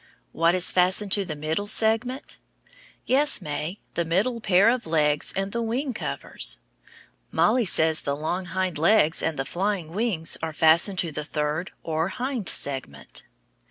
What is fastened to the middle segment? Yes, May, the middle pair of legs and the wing covers. Mollie says the long hind legs and the flying wings are fastened to the third or hind segment.